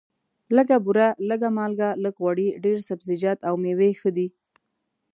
لږه بوره، لږه مالګه، لږ غوړي، ډېر سبزیجات او مېوې ښه دي.